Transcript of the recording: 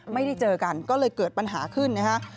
ไม่ได้เจอกันก็เลยเกิดปัญหาขึ้นนะฮะ